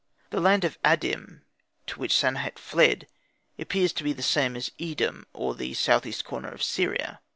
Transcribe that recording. The land of Adim to which Sanehat fled appears to be the same as Edom or the southeast corner of Syria.